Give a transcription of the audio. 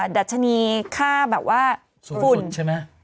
ดัชนีฆ่าแบบว่าฝุ่น